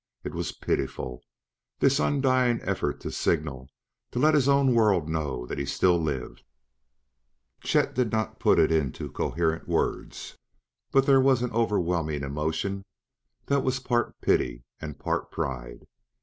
It was pitiful, this undying effort to signal, to let his own world know that he still lived. Chet did not put it into coherent words, but there was an overwhelming emotion that was part pity and part pride.